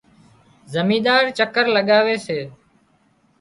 زمينۮار چڪر لڳاوي سي